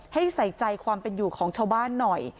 ให้ใส่ใจความเป็นอยู่ของชาวบ้านหน่อย